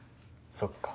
そっか。